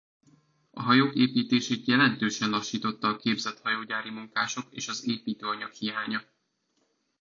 A hajók építését jelentősen lassította a képzett hajógyári munkások és az építőanyag hiánya.